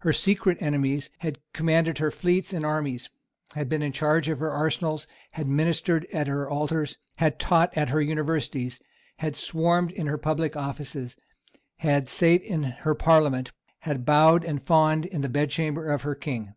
Her secret enemies had commanded her fleets and armies, had been in charge of her arsenals, had ministered at her altars, had taught at her Universities, had swarmed in her public offices, had sate in her Parliament, had bowed and fawned in the bedchamber of her King.